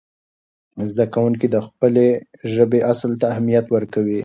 زده کوونکي د خپلې ژبې اصل ته اهمیت ورکوي.